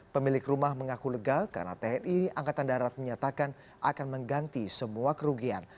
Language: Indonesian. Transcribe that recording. pemilik rumah mengaku lega karena tni angkatan darat menyatakan akan mengganti semua kerugian